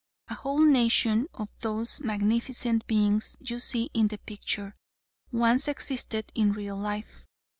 A whole nation of those magnificent beings you see in the picture, once existed in real life.